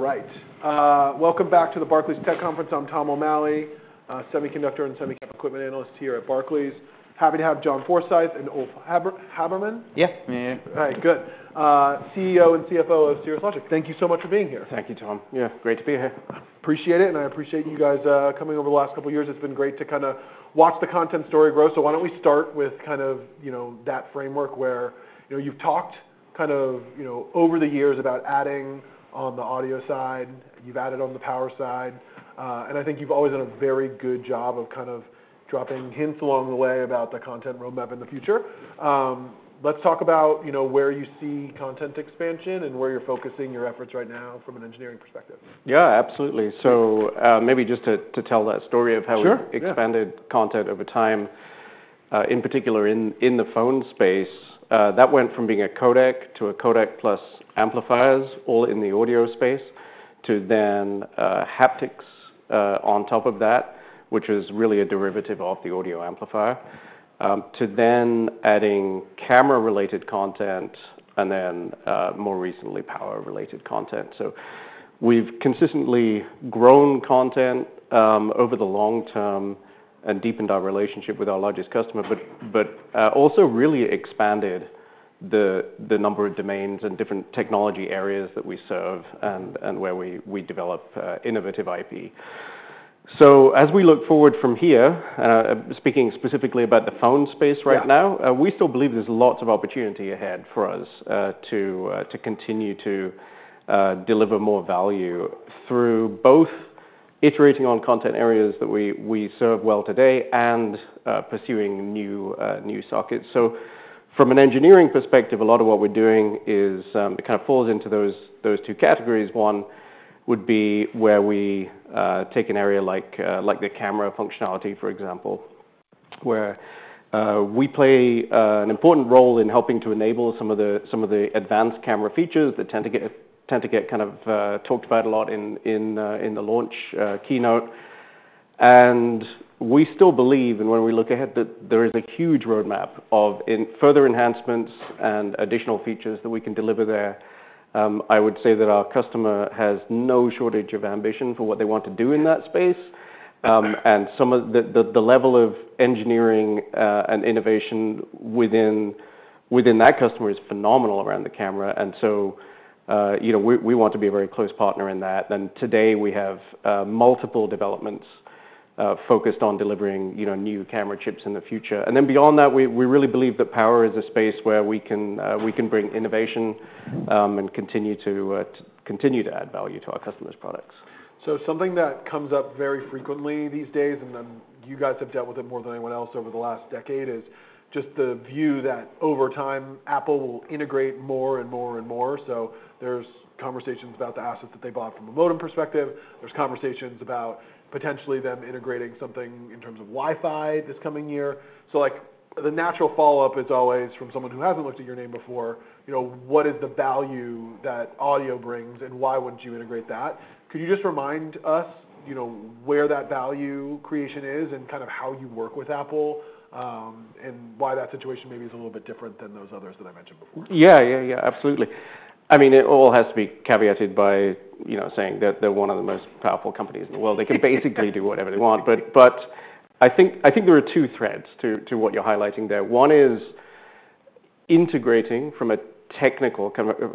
All right. Welcome back to the Barclays Tech Conference. I'm Tom O'Malley, Semiconductor and Semiconductor Equipment Analyst here at Barclays. Happy to have John Forsyth and Ulf Habermann. Yeah. All right. Good. CEO and CFO of Cirrus Logic. Thank you so much for being here. Thank you, Tom. Yeah. Great to be here. Appreciate it. And I appreciate you guys coming over the last couple of years. It's been great to kind of watch the content story grow. So why don't we start with kind of that framework where you've talked kind of over the years about adding on the audio side. You've added on the power side. And I think you've always done a very good job of kind of dropping hints along the way about the content roadmap in the future. Let's talk about where you see content expansion and where you're focusing your efforts right now from an engineering perspective. Yeah, absolutely. So maybe just to tell that story of how we've expanded content over time, in particular in the phone space, that went from being a codec to a codec plus amplifiers, all in the audio space, to then haptics on top of that, which is really a derivative of the audio amplifier, to then adding camera-related content and then, more recently, power-related content. So we've consistently grown content over the long term and deepened our relationship with our largest customer, but also really expanded the number of domains and different technology areas that we serve and where we develop innovative IP. So as we look forward from here, and speaking specifically about the phone space right now, we still believe there's lots of opportunity ahead for us to continue to deliver more value through both iterating on content areas that we serve well today and pursuing new sockets. So from an engineering perspective, a lot of what we're doing kind of falls into those two categories. One would be where we take an area like the camera functionality, for example, where we play an important role in helping to enable some of the advanced camera features that tend to get kind of talked about a lot in the launch keynote. And we still believe, and when we look ahead, that there is a huge roadmap of further enhancements and additional features that we can deliver there. I would say that our customer has no shortage of ambition for what they want to do in that space. And the level of engineering and innovation within that customer is phenomenal around the camera. And so we want to be a very close partner in that. And today, we have multiple developments focused on delivering new camera chips in the future. Beyond that, we really believe that power is a space where we can bring innovation and continue to add value to our customers' products. So something that comes up very frequently these days, and you guys have dealt with it more than anyone else over the last decade, is just the view that over time, Apple will integrate more and more and more. So there's conversations about the assets that they bought from a modem perspective. There's conversations about potentially them integrating something in terms of Wi-Fi this coming year. So the natural follow-up is always from someone who hasn't looked at your name before, what is the value that audio brings and why wouldn't you integrate that? Could you just remind us where that value creation is and kind of how you work with Apple and why that situation maybe is a little bit different than those others that I mentioned before? Yeah, yeah, yeah, absolutely. I mean, it all has to be caveated by saying that they're one of the most powerful companies in the world. They can basically do whatever they want. But I think there are two threads to what you're highlighting there. One is integrating from a technical,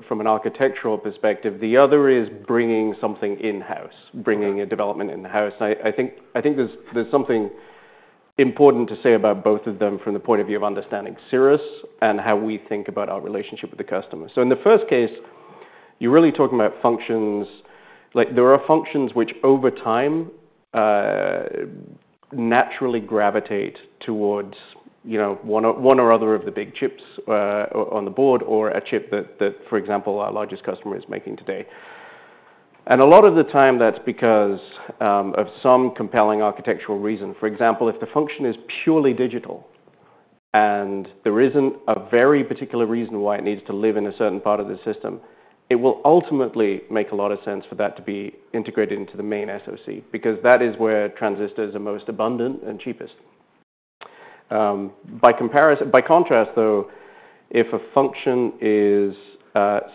from an architectural perspective. The other is bringing something in-house, bringing a development in-house. I think there's something important to say about both of them from the point of view of understanding Cirrus and how we think about our relationship with the customer. So in the first case, you're really talking about functions. There are functions which over time naturally gravitate towards one or other of the big chips on the board or a chip that, for example, our largest customer is making today. And a lot of the time, that's because of some compelling architectural reason. For example, if the function is purely digital and there isn't a very particular reason why it needs to live in a certain part of the system, it will ultimately make a lot of sense for that to be integrated into the main SoC because that is where transistors are most abundant and cheapest. By contrast, though, if a function is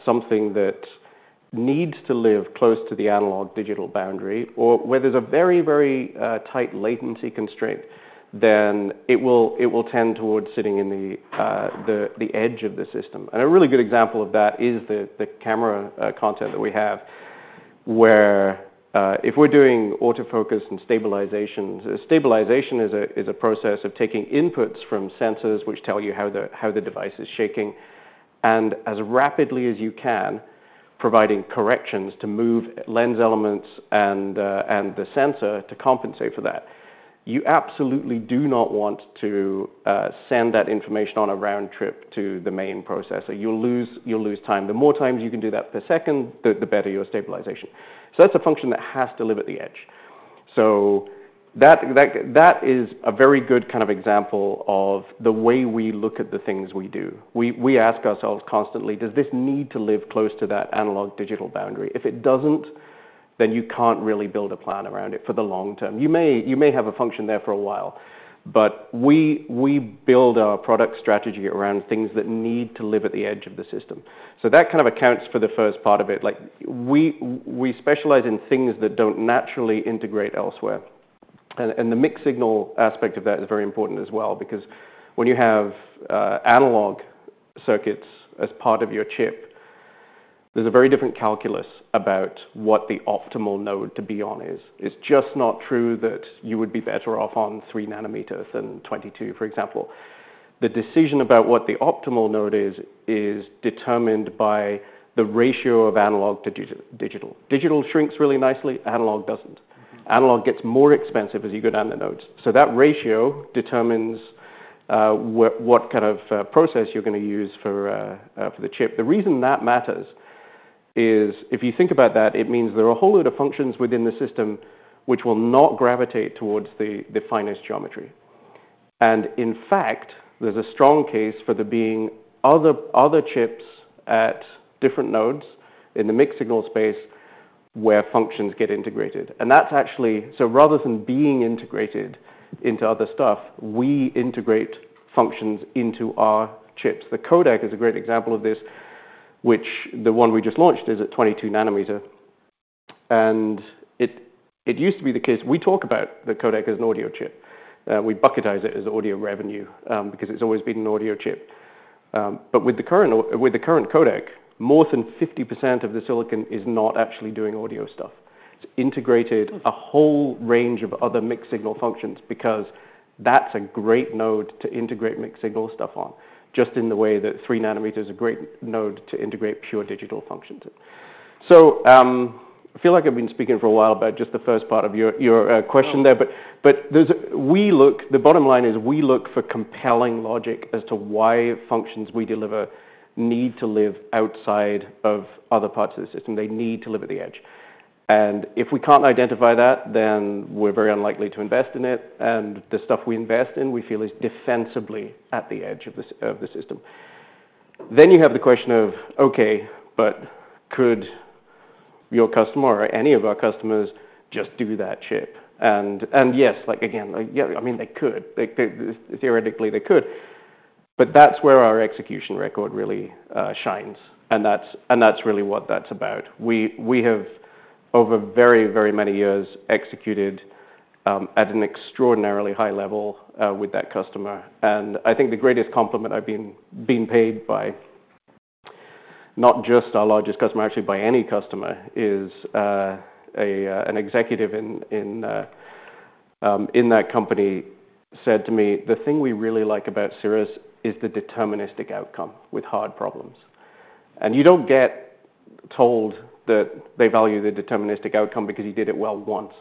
something that needs to live close to the analog-digital boundary or where there's a very, very tight latency constraint, then it will tend towards sitting in the edge of the system, and a really good example of that is the camera content that we have, where if we're doing autofocus and stabilization, stabilization is a process of taking inputs from sensors which tell you how the device is shaking. As rapidly as you can, providing corrections to move lens elements and the sensor to compensate for that, you absolutely do not want to send that information on a round trip to the main processor. You'll lose time. The more times you can do that per second, the better your stabilization. So that's a function that has to live at the edge. So that is a very good kind of example of the way we look at the things we do. We ask ourselves constantly, does this need to live close to that analog-digital boundary? If it doesn't, then you can't really build a plan around it for the long term. You may have a function there for a while, but we build our product strategy around things that need to live at the edge of the system. So that kind of accounts for the first part of it. We specialize in things that don't naturally integrate elsewhere. And the mixed signal aspect of that is very important as well because when you have analog circuits as part of your chip, there's a very different calculus about what the optimal node to be on is. It's just not true that you would be better off on 3nm than 22nm, for example. The decision about what the optimal node is is determined by the ratio of analog to digital. Digital shrinks really nicely. Analog doesn't. Analog gets more expensive as you go down the nodes. So that ratio determines what kind of process you're going to use for the chip. The reason that matters is if you think about that, it means there are a whole load of functions within the system which will not gravitate towards the finest geometry. And in fact, there's a strong case for there being other chips at different nodes in the mixed signal space where functions get integrated. And that's actually so rather than being integrated into other stuff, we integrate functions into our chips. The codec is a great example of this, which the one we just launched is at 22nm. And it used to be the case we talk about the codec as an audio chip. We bucketize it as audio revenue because it's always been an audio chip. But with the current codec, more than 50% of the silicon is not actually doing audio stuff. It's integrated a whole range of other mixed signal functions because that's a great node to integrate mixed signal stuff on, just in the way that 3nm is a great node to integrate pure digital functions. So I feel like I've been speaking for a while about just the first part of your question there. But the bottom line is we look for compelling logic as to why functions we deliver need to live outside of other parts of the system. They need to live at the edge. And if we can't identify that, then we're very unlikely to invest in it. And the stuff we invest in, we feel, is defensibly at the edge of the system. Then you have the question of, OK, but could your customer or any of our customers just do that chip? And yes, again, I mean, they could. Theoretically, they could. But that's where our execution record really shines. And that's really what that's about. We have, over very, very many years, executed at an extraordinarily high level with that customer. And I think the greatest compliment I've been paid by not just our largest customer, actually by any customer, is an executive in that company said to me, "the thing we really like about Cirrus is the deterministic outcome with hard problems." And you don't get told that they value the deterministic outcome because you did it well once.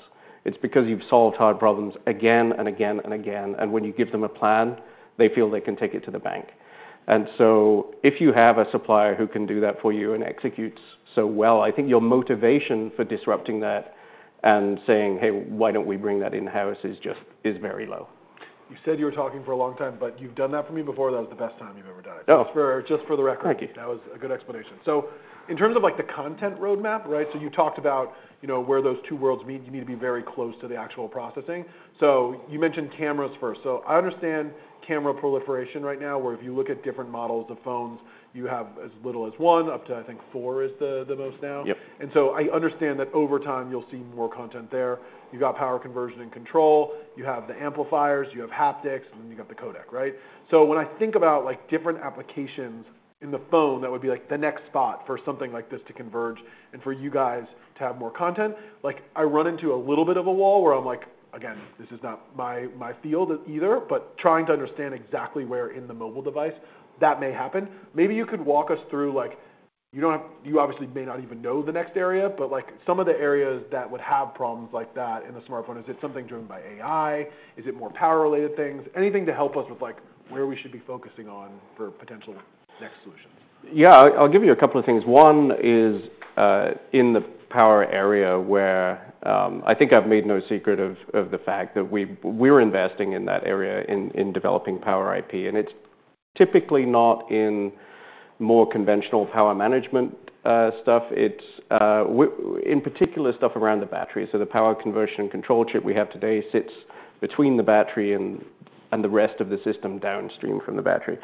It's because you've solved hard problems again and again and again. And when you give them a plan, they feel they can take it to the bank. And so if you have a supplier who can do that for you and executes so well, I think your motivation for disrupting that and saying, "hey, why don't we bring that in-house" is very low. You said you were talking for a long time, but you've done that for me before. That was the best time you've ever done it. Just for the record, that was a good explanation. So in terms of the content roadmap, so you talked about where those two worlds meet. You need to be very close to the actual processing. So you mentioned cameras first. So I understand camera proliferation right now, where if you look at different models of phones, you have as little as one, up to, I think, four is the most now. And so I understand that over time, you'll see more content there. You've got power conversion and control. You have the amplifiers. You have haptics. And then you've got the codec, right? So when I think about different applications in the phone that would be the next spot for something like this to converge and for you guys to have more content, I run into a little bit of a wall where I'm like, again, this is not my field either, but trying to understand exactly where in the mobile device that may happen. Maybe you could walk us through. You obviously may not even know the next area, but some of the areas that would have problems like that in a smartphone. Is it something driven by AI? Is it more power-related things? Anything to help us with where we should be focusing on for potential next solutions? Yeah, I'll give you a couple of things. One is in the power area where I think I've made no secret of the fact that we're investing in that area in developing power IP. And it's typically not in more conventional power management stuff. It's, in particular, stuff around the battery. So the power conversion control chip we have today sits between the battery and the rest of the system downstream from the battery.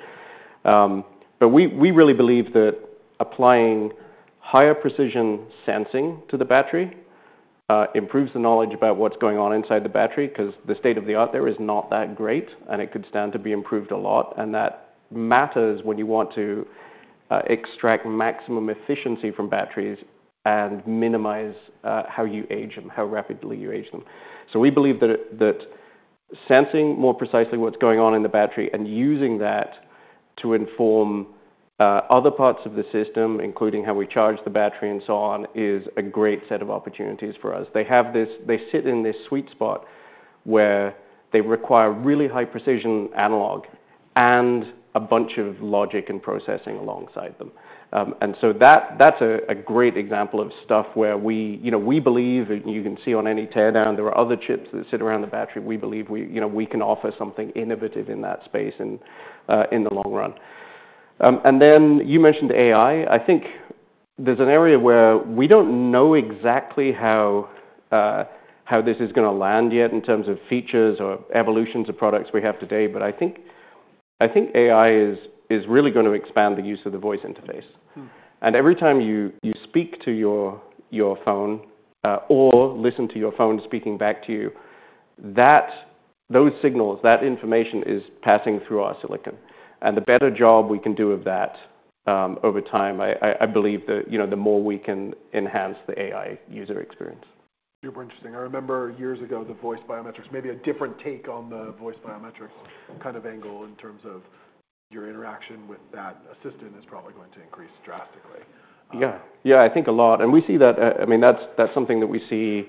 But we really believe that applying higher precision sensing to the battery improves the knowledge about what's going on inside the battery because the state of the art there is not that great. And it could stand to be improved a lot. And that matters when you want to extract maximum efficiency from batteries and minimize how you age them, how rapidly you age them. So we believe that sensing more precisely what's going on in the battery and using that to inform other parts of the system, including how we charge the battery and so on, is a great set of opportunities for us. They sit in this sweet spot where they require really high precision analog and a bunch of logic and processing alongside them. And so that's a great example of stuff where we believe, and you can see on any teardown, there are other chips that sit around the battery. We believe we can offer something innovative in that space in the long run. And then you mentioned AI. I think there's an area where we don't know exactly how this is going to land yet in terms of features or evolutions of products we have today. But I think AI is really going to expand the use of the voice interface. And every time you speak to your phone or listen to your phone speaking back to you, those signals, that information is passing through our silicon. And the better job we can do of that over time, I believe the more we can enhance the AI user experience. Super interesting. I remember years ago, the voice biometrics, maybe a different take on the voice biometrics kind of angle in terms of your interaction with that assistant is probably going to increase drastically. Yeah, yeah. I think a lot, and we see that. I mean, that's something that we see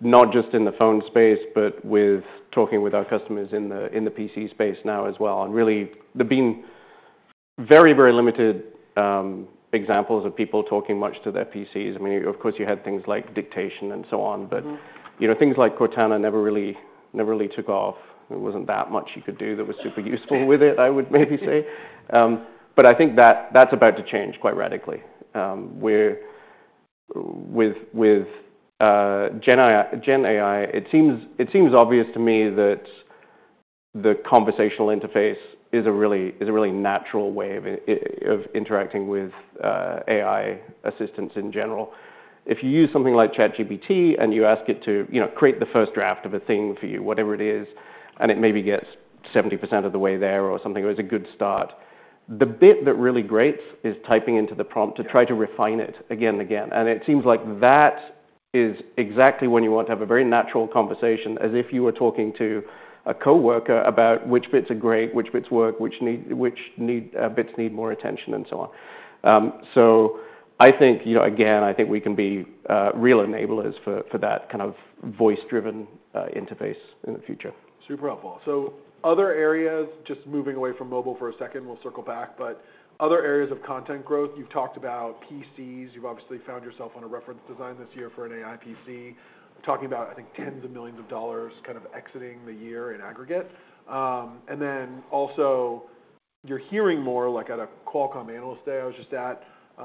not just in the phone space, but with talking with our customers in the PC space now as well, and really there have been very, very limited examples of people talking much to their PCs. I mean, of course, you had things like dictation and so on, but things like Cortana never really took off. There wasn't that much you could do that was super useful with it, I would maybe say, but I think that's about to change quite radically. With Gen AI, it seems obvious to me that the conversational interface is a really natural way of interacting with AI assistants in general. If you use something like ChatGPT and you ask it to create the first draft of a thing for you, whatever it is, and it maybe gets 70% of the way there or something, it was a good start. The bit that really grates is typing into the prompt to try to refine it again and again, and it seems like that is exactly when you want to have a very natural conversation, as if you were talking to a coworker about which bits are great, which bits work, which bits need more attention, and so on, so I think, again, I think we can be real enablers for that kind of voice-driven interface in the future. Super helpful. So other areas, just moving away from mobile for a second, we'll circle back. But other areas of content growth, you've talked about PCs. You've obviously found yourself on a reference design this year for an AI PC, talking about, I think, tens of millions of dollars kind of exiting the year in aggregate. And then also, you're hearing more like at a Qualcomm Analyst Day I was just at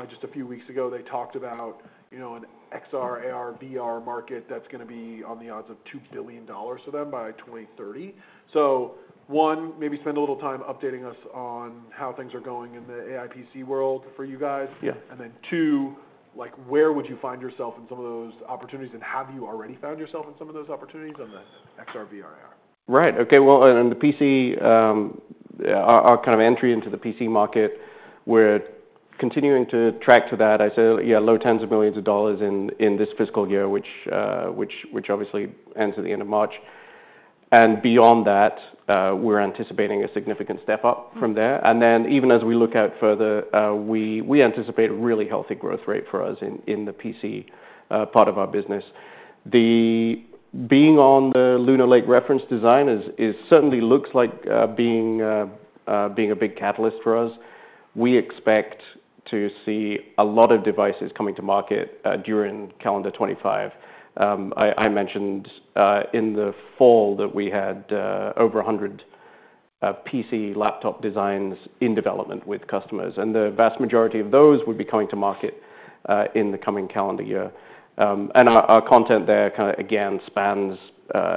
just a few weeks ago, they talked about an XR, AR, VR market that's going to be on the order of $2 billion for them by 2030. So one, maybe spend a little time updating us on how things are going in the AI PC world for you guys. And then two, where would you find yourself in some of those opportunities? And have you already found yourself in some of those opportunities on the XR, VR, AR? Right. OK, well, and the PC, our kind of entry into the PC market, we're continuing to track to that. I say, yeah, low tens of millions of dollars in this fiscal year, which obviously ends at the end of March. And beyond that, we're anticipating a significant step up from there. And then even as we look out further, we anticipate a really healthy growth rate for us in the PC part of our business. Being on the Lunar Lake reference design certainly looks like being a big catalyst for us. We expect to see a lot of devices coming to market during calendar 2025. I mentioned in the fall that we had over 100 PC laptop designs in development with customers. And the vast majority of those would be coming to market in the coming calendar year. Our content there kind of, again, spans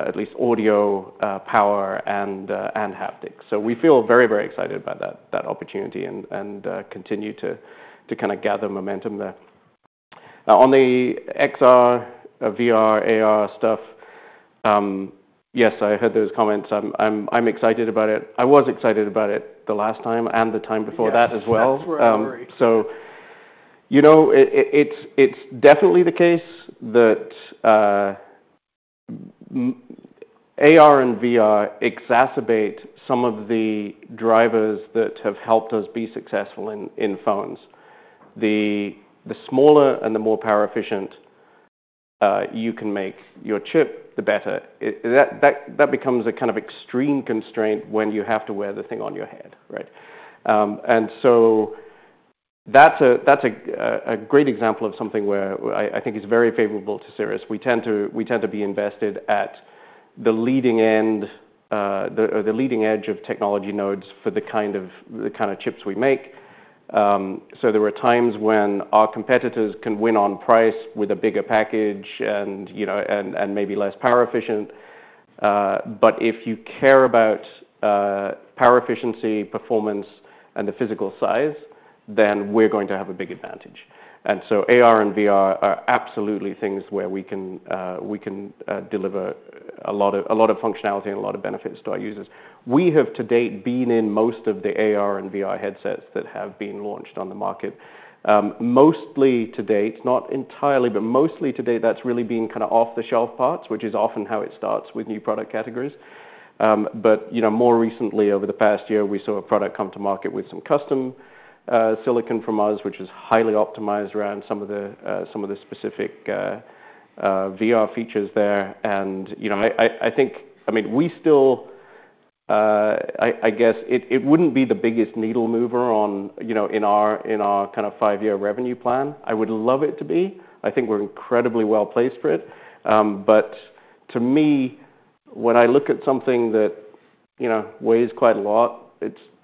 at least audio, power, and haptics. We feel very, very excited about that opportunity and continue to kind of gather momentum there. On the XR, VR, AR stuff, yes, I heard those comments. I'm excited about it. I was excited about it the last time and the time before that as well. That's a great story. So you know it's definitely the case that AR and VR exacerbate some of the drivers that have helped us be successful in phones. The smaller and the more power efficient you can make your chip, the better. That becomes a kind of extreme constraint when you have to wear the thing on your head, right? And so that's a great example of something where I think is very favorable to Cirrus. We tend to be invested at the leading edge of technology nodes for the kind of chips we make. So there were times when our competitors can win on price with a bigger package and maybe less power efficient. But if you care about power efficiency, performance, and the physical size, then we're going to have a big advantage. AR and VR are absolutely things where we can deliver a lot of functionality and a lot of benefits to our users. We have, to date, been in most of the AR and VR headsets that have been launched on the market. Mostly, to date, not entirely, but mostly, to date, that's really been kind of off-the-shelf parts, which is often how it starts with new product categories. More recently, over the past year, we saw a product come to market with some custom silicon from us, which is highly optimized around some of the specific VR features there. I think, I mean, we still, I guess, it wouldn't be the biggest needle mover in our kind of five-year revenue plan. I would love it to be. I think we're incredibly well placed for it. But to me, when I look at something that weighs quite a lot,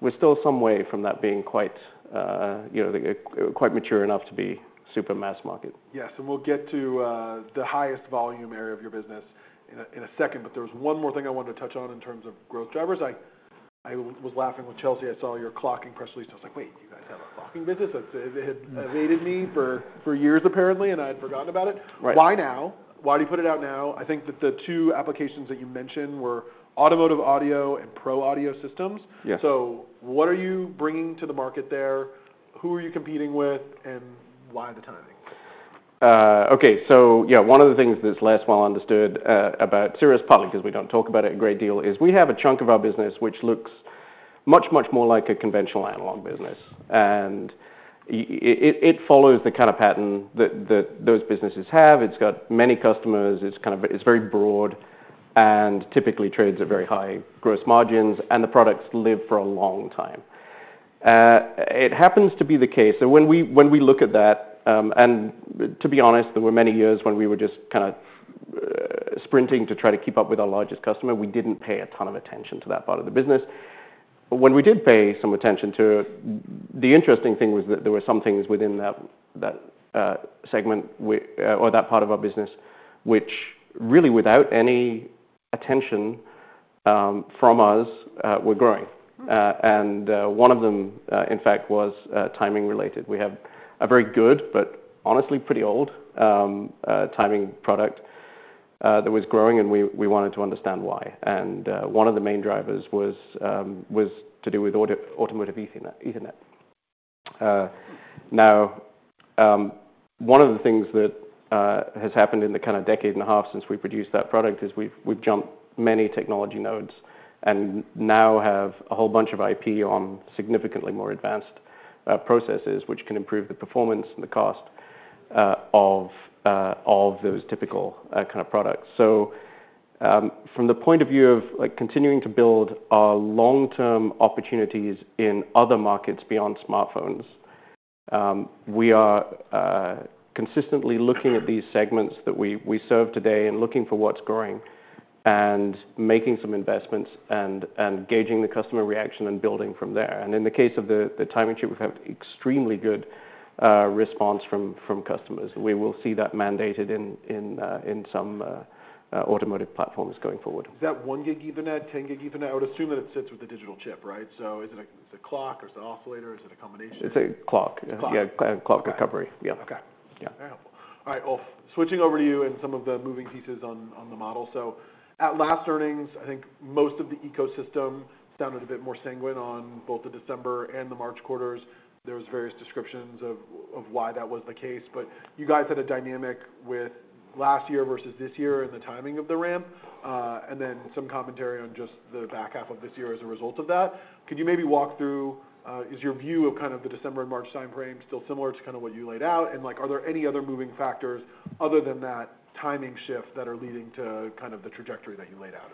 we're still some way from that being quite mature enough to be super mass market. Yes. And we'll get to the highest volume area of your business in a second. But there was one more thing I wanted to touch on in terms of growth drivers. I was laughing with Chelsea. I saw your clocking press release. I was like, wait, you guys have a clocking business? It had evaded me for years, apparently, and I had forgotten about it. Why now? Why do you put it out now? I think that the two applications that you mentioned were automotive audio and pro audio systems. So what are you bringing to the market there? Who are you competing with? And why the timing? OK, so yeah, one of the things that's less well understood about Cirrus, probably because we don't talk about it a great deal, is we have a chunk of our business which looks much, much more like a conventional analog business. And it follows the kind of pattern that those businesses have. It's got many customers. It's very broad. And typically trades at very high gross margins. And the products live for a long time. It happens to be the case. So when we look at that, and to be honest, there were many years when we were just kind of sprinting to try to keep up with our largest customer. We didn't pay a ton of attention to that part of the business. But when we did pay some attention to it, the interesting thing was that there were some things within that segment or that part of our business which really, without any attention from us, were growing. And one of them, in fact, was timing related. We have a very good, but honestly pretty old timing product that was growing. And we wanted to understand why. And one of the main drivers was to do with Automotive Ethernet. Now, one of the things that has happened in the kind of decade and a half since we produced that product is we've jumped many technology nodes and now have a whole bunch of IP on significantly more advanced processes, which can improve the performance and the cost of those typical kind of products. So from the point of view of continuing to build our long-term opportunities in other markets beyond smartphones, we are consistently looking at these segments that we serve today and looking for what's growing and making some investments and gauging the customer reaction and building from there. And in the case of the timing chip, we've had extremely good response from customers. We will see that mandated in some automotive platforms going forward. Is that 1GbE, 10GbE? I would assume that it sits with the digital chip, right? So is it a clock? Or is it an oscillator? Or is it a combination? It's a clock. Yeah, clock recovery. Yeah. OK. Very helpful. All right, Ulf, switching over to you and some of the moving pieces on the model, so at last earnings, I think most of the ecosystem sounded a bit more sanguine on both the December and the March quarters. There were various descriptions of why that was the case, but you guys had a dynamic with last year versus this year and the timing of the ramp, and then some commentary on just the back half of this year as a result of that. Could you maybe walk through, is your view of kind of the December and March time frame still similar to kind of what you laid out? And are there any other moving factors other than that timing shift that are leading to kind of the trajectory that you laid out?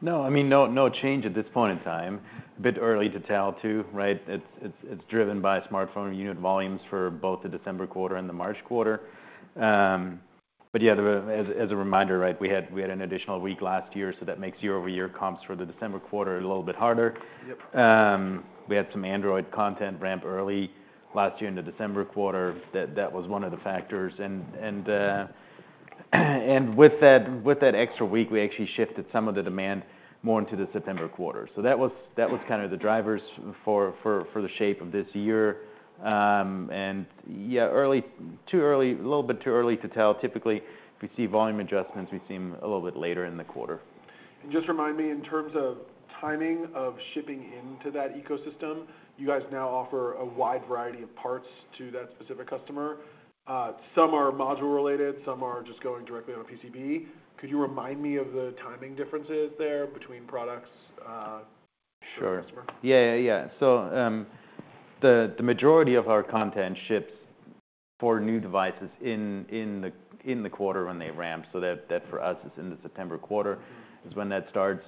No, I mean, no change at this point in time. A bit early to tell, too, right? It's driven by smartphone unit volumes for both the December quarter and the March quarter. But yeah, as a reminder, right, we had an additional week last year. So that makes year-over-year comps for the December quarter a little bit harder. We had some Android content ramp early last year in the December quarter. That was one of the factors. And with that extra week, we actually shifted some of the demand more into the September quarter. So that was kind of the drivers for the shape of this year. And yeah, too early, a little bit too early to tell. Typically, if we see volume adjustments, we see them a little bit later in the quarter. Just remind me, in terms of timing of shipping into that ecosystem, you guys now offer a wide variety of parts to that specific customer. Some are module related. Some are just going directly on a PCB. Could you remind me of the timing differences there between products? Sure. Yeah, yeah, yeah. So the majority of our content ships for new devices in the quarter when they ramp. So that for us is in the September quarter is when that starts.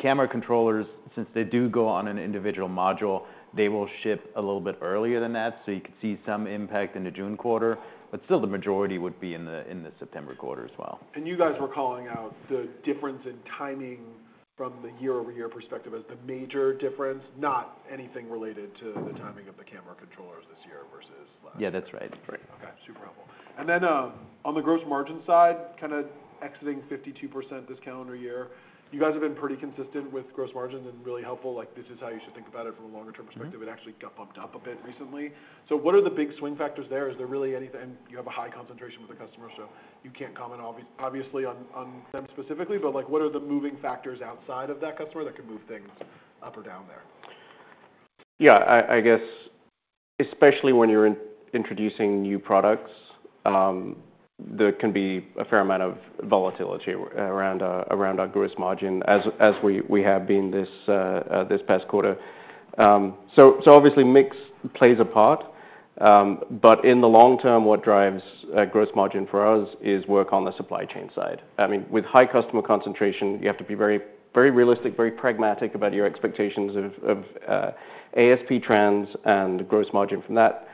Camera controllers, since they do go on an individual module, they will ship a little bit earlier than that. So you could see some impact in the June quarter. But still, the majority would be in the September quarter as well. You guys were calling out the difference in timing from the year-over-year perspective as the major difference, not anything related to the timing of the camera controllers this year versus last year. Yeah, that's right. OK, super helpful, and then on the gross margin side, kind of exiting 52% this calendar year, you guys have been pretty consistent with gross margins and really helpful. Like, this is how you should think about it from a longer-term perspective. It actually got bumped up a bit recently, so what are the big swing factors there? Is there really anything, and you have a high concentration with the customer, so you can't comment, obviously, on them specifically. But what are the moving factors outside of that customer that could move things up or down there? Yeah, I guess, especially when you're introducing new products, there can be a fair amount of volatility around our gross margin, as we have been this past quarter. So obviously, mix plays a part. But in the long term, what drives gross margin for us is work on the supply chain side. I mean, with high customer concentration, you have to be very realistic, very pragmatic about your expectations of ASP trends and gross margin from that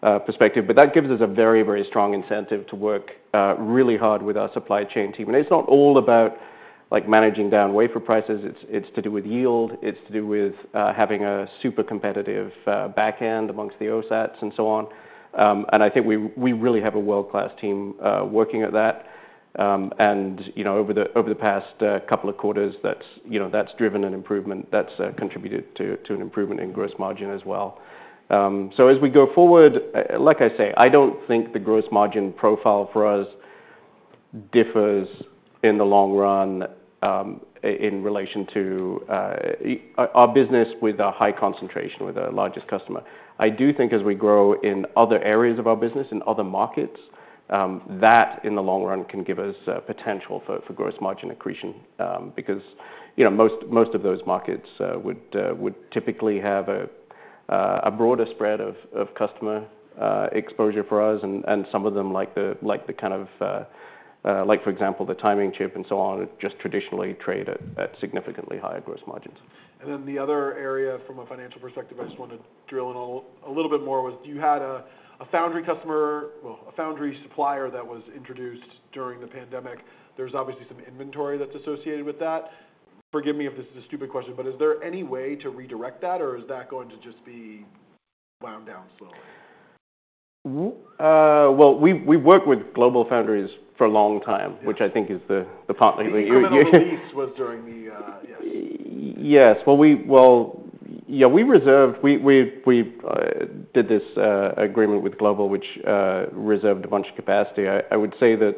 perspective. But that gives us a very, very strong incentive to work really hard with our supply chain team. And it's not all about managing down wafer prices. It's to do with yield. It's to do with having a super competitive back end amongst the OSATs and so on. And I think we really have a world-class team working at that. And over the past couple of quarters, that's driven an improvement. That's contributed to an improvement in gross margin as well. So as we go forward, like I say, I don't think the gross margin profile for us differs in the long run in relation to our business with a high concentration with our largest customer. I do think as we grow in other areas of our business, in other markets, that in the long run can give us potential for gross margin accretion. Because most of those markets would typically have a broader spread of customer exposure for us. And some of them, like the kind of, like, for example, the timing chip and so on, just traditionally trade at significantly higher gross margins. And then the other area from a financial perspective, I just want to drill in a little bit more, was you had a foundry customer, well, a foundry supplier that was introduced during the pandemic. There's obviously some inventory that's associated with that. Forgive me if this is a stupid question. But is there any way to redirect that? Or is that going to just be wound down slowly? We've worked with GlobalFoundries for a long time, which I think is the part that you. Or at least was during the. Yes. Well, yeah, we reserved. We did this agreement with Global, which reserved a bunch of capacity. I would say that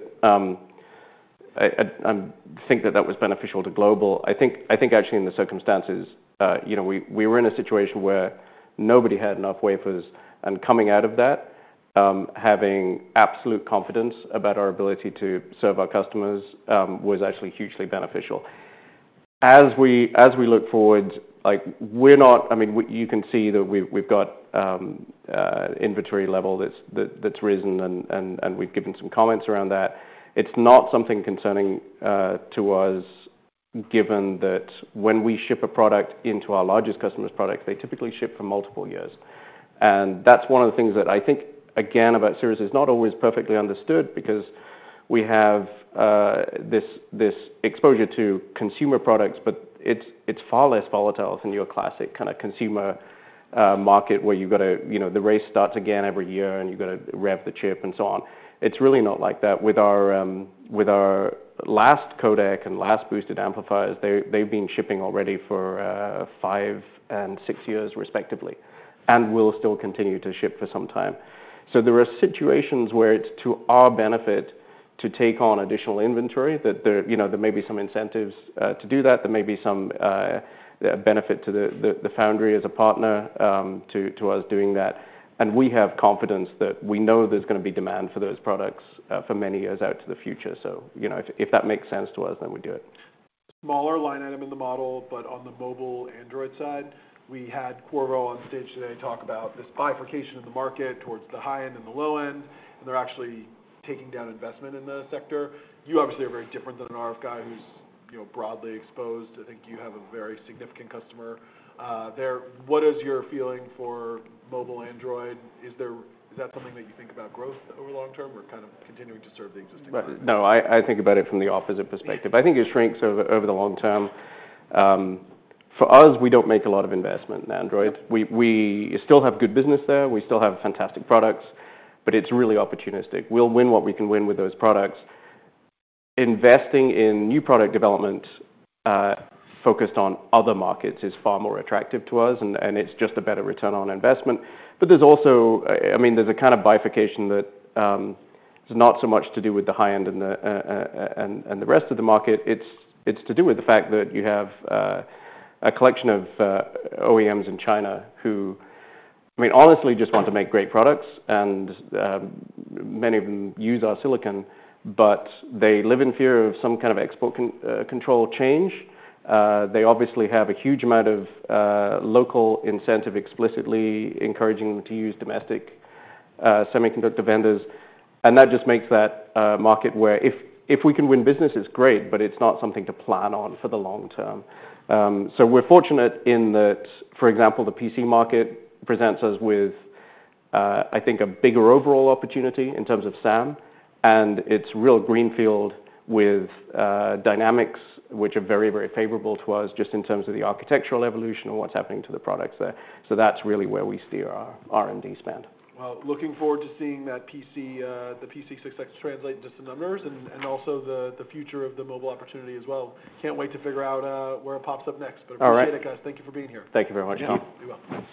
I think that that was beneficial to Global. I think actually in the circumstances, we were in a situation where nobody had enough wafers, and coming out of that, having absolute confidence about our ability to serve our customers was actually hugely beneficial. As we look forward, I mean, you can see that we've got inventory level that's risen, and we've given some comments around that. It's not something concerning to us, given that when we ship a product into our largest customer's product, they typically ship for multiple years, and that's one of the things that I think, again, about Cirrus is not always perfectly understood, because we have this exposure to consumer products. But it's far less volatile than your classic kind of consumer market, where you've got to, the race starts again every year. And you've got to rev the chip and so on. It's really not like that. With our last codec and last boosted amplifiers, they've been shipping already for five and six years, respectively. And will still continue to ship for some time. So there are situations where it's to our benefit to take on additional inventory. There may be some incentives to do that. There may be some benefit to the foundry as a partner to us doing that. And we have confidence that we know there's going to be demand for those products for many years out to the future. So if that makes sense to us, then we do it. Smaller line item in the model. But on the mobile Android side, we had Qorvo on stage today talk about this bifurcation of the market towards the high end and the low end. And they're actually taking down investment in the sector. You obviously are very different than an RF guy who's broadly exposed. I think you have a very significant customer there. What is your feeling for mobile Android? Is that something that you think about growth over the long term? Or kind of continuing to serve the existing customer? No, I think about it from the opposite perspective. I think it shrinks over the long term. For us, we don't make a lot of investment in Android. We still have good business there. We still have fantastic products. But it's really opportunistic. We'll win what we can win with those products. Investing in new product development focused on other markets is far more attractive to us. And it's just a better return on investment. But there's also, I mean, there's a kind of bifurcation that is not so much to do with the high end and the rest of the market. It's to do with the fact that you have a collection of OEMs in China who, I mean, honestly just want to make great products. And many of them use our silicon. But they live in fear of some kind of export control change. They obviously have a huge amount of local incentive explicitly encouraging them to use domestic semiconductor vendors. And that just makes that a market where if we can win business, it's great. But it's not something to plan on for the long term. So we're fortunate in that, for example, the PC market presents us with, I think, a bigger overall opportunity in terms of SAM. And it's a real greenfield with dynamics which are very, very favorable to us just in terms of the architectural evolution and what's happening to the products there. So that's really where we steer our R&D spend. Looking forward to seeing the PC success translate into some numbers and also the future of the mobile opportunity as well. Can't wait to figure out where it pops up next. Appreciate it, guys. Thank you for being here. Thank you very much to you.. You're welcome.